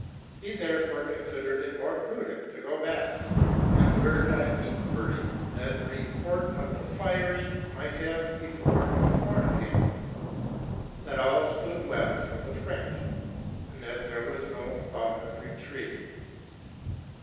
He therefore considered it more pru dent to go back, and learned on inquiry what the report of the firing might have before informed him, that all stood well for the French, and that there was no thought of retreating.